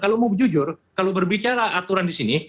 kalau mau jujur kalau berbicara aturan di sini